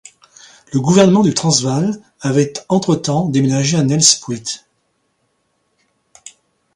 Le Gouvernement du Transvaal avait entretemps déménagé à Nelspruit.